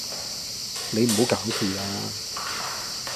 你唔好搞事啦